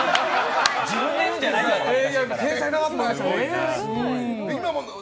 自分で言うんじゃないよ。